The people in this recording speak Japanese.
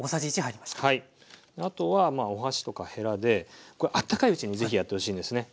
あとはお箸とかヘラでこれあったかいうちに是非やってほしいんですね。